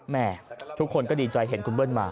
แม่ทุกคนก็ดีใจเห็นคุณเบิ้ลมา